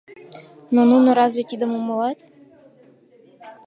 Но нуно разве тидым умылат?